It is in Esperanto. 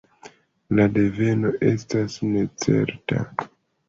La deveno estas necerta.